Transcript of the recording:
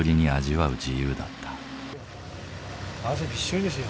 汗びっしょりですよ。